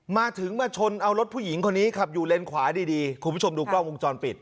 มาถึงมาชนเอารถผู้หญิงคนนี้ขับอยู่เลนขวาดีคุณผู้ชมดูกล้องวงจรปิด